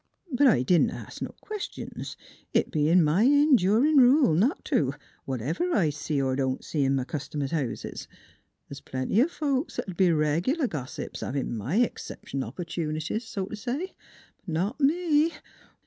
But I didn't ast no questions, it bein' my endurin' rule not to, what ever I see er don't see in m' cust'mer's houses. Th's plenty o' folks 'at 'd be reg'lar gossips, havin' my 'xceptional op'tunities, s' t' say. But not me!